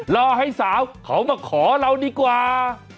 รอให้สาวเขามาขอเราดีกว่า